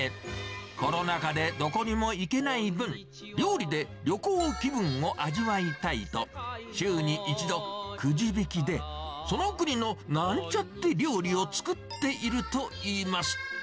コロナ禍でどこにも行けない分、料理で旅行気分を味わいたいと、週に１度、くじ引きでその国のなんちゃって料理を作っているといいます。